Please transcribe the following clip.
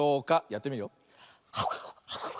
やってみるよ。